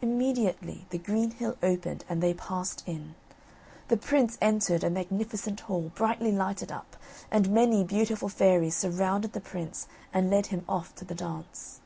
Immediately the green hill opened and they passed in. The prince entered a magnificent hall, brightly lighted up, and many beautiful fairies surrounded the prince and led him off to the dance.